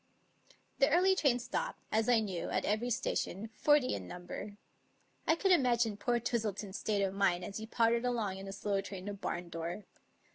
The early train stopped, as I knew, at every station, forty in number. I could imagine poor Twistleton's state of mind as he pottered along in a slow train to Barndore.